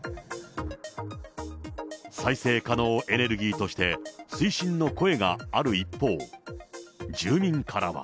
再生可能エネルギーとして推進の声がある一方、住民からは。